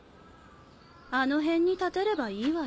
あの辺に建てればいいわよ。